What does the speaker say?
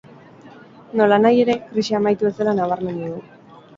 Nolanahi ere, krisia amaitu ez dela nabarmendu du.